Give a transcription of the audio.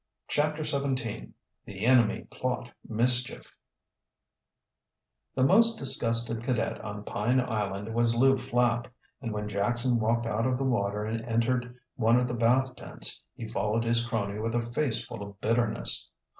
CHAPTER XVII THE ENEMY PLOT MISCHIEF The most disgusted cadet on Pine Island was Lew Flapp, and when Jackson walked out of the water and entered one of the bath tents he followed his crony with a face full of bitterness.